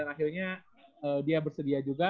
dan akhirnya dia bersedia juga